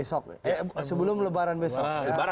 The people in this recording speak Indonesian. sebelum lebaran besok